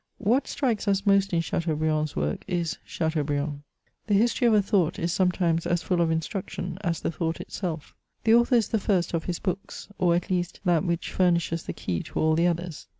What strikes us most in Chateaubriand's work is Chateau briand. The history of a thought is sometimes as full of instruction as the thought itself. The author is the first of his books— or, at least, that which furnishes the key to all the others.